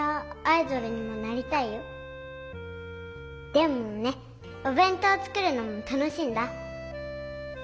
でもねおべん当作るのも楽しいんだ。